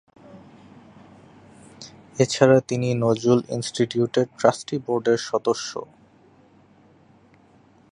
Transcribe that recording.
এছাড়া তিনি নজরুল ইনস্টিটিউটের ট্রাস্টি বোর্ডের সদস্য।